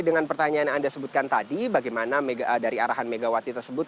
dengan pertanyaan yang anda sebutkan tadi bagaimana dari arahan megawati tersebut